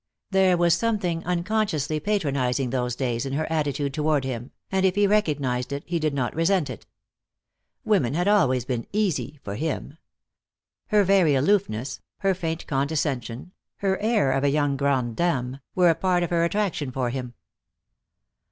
There was something unconsciously patronizing those days in her attitude toward him, and if he recognized it he did not resent it. Women had always been "easy" for him. Her very aloofness, her faint condescension, her air of a young grande dame, were a part of her attraction for him.